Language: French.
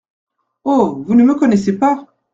Oh ! vous ne me connaissez pas !